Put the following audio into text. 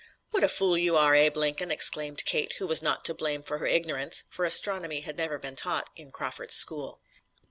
"What a fool you are, Abe Lincoln!" exclaimed Kate, who was not to blame for her ignorance, for astronomy had never been taught in Crawford's school.